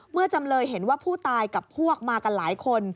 จำเลยเห็นว่าผู้ตายกับพวกมากันหลายคน